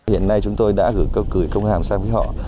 hiện nay chúng tôi đã gửi câu cười công hàm sang với họ